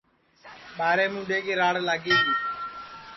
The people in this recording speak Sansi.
ٻاریں مُڈَیں کی راڑ لاگی گی